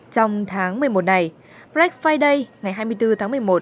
trong tháng một mươi một này black friday ngày hai mươi bốn tháng một mươi một